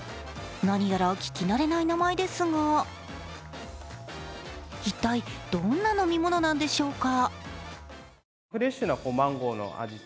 何やら聞き慣れない名前ですが一体どんな飲み物なんでしょうか。